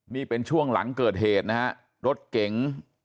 นี่เป็นช่วงหลังเกิดเหตุนะฮะรถเก๋ง